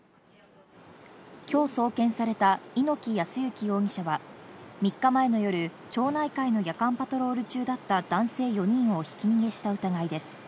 今日送検された猪木康之容疑者は３日前の夜、町内会の夜間パトロール中だった男性４人をひき逃げした疑いです。